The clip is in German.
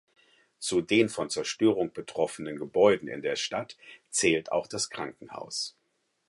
Zu den von Zerstörung betroffenen Gebäuden in der Stadt zählt auch das Krankenhaus.